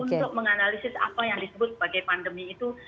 untuk menganalisis apa yang disebut sebagai pandemi itu